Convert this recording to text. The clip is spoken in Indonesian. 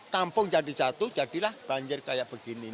kampung jadi jatuh jadilah banjir kayak begini